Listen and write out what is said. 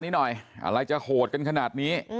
นี้หน่อยอะไรจะโหดกันขนาดนี้